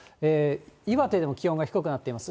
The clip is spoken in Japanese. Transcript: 岩手でも気温が低くなっています。